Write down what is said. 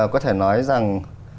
có thể nói rằng